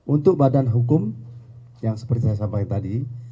untuk badan hukum yang seperti saya sampaikan tadi